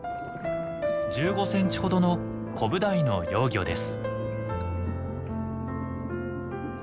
１５センチほどのコブダイの幼魚です。